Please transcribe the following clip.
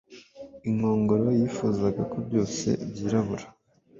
Inkongoro yifuzaga ko byose byirabura